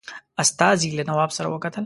استازي له نواب سره وکتل.